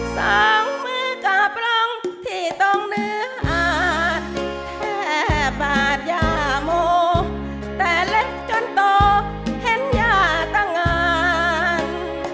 สองมือกลับลงที่ตรงเนื้ออาจแค่บาดย่าโมแต่เล็กจนโตเห็นย่าตั้งงาน